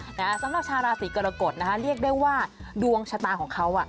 สำหรับชาวราศีกรกฎนะคะเรียกได้ว่าดวงชะตาของเขาอ่ะ